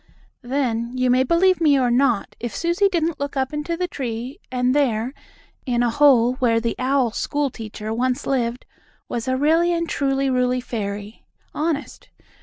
Then, you may believe me or not, if Susie didn't look up into the tree, and there, in a hole where the Owl school teacher once lived, was a really and truly ruly fairy. Honest.